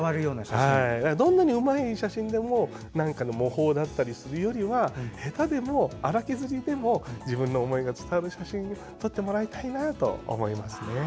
どんなにうまい写真でも何かの模倣だったりするよりは下手でも、荒削りでも自分の思いが伝わる写真を撮ってもらいたいなと思います。